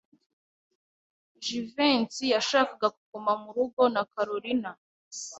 Jivency yashakaga kuguma murugo na Kalorina.